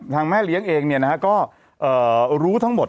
แม่เลี้ยงเองก็รู้ทั้งหมด